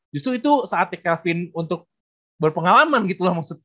justru itu saat calvin untuk berpengalaman gitu lah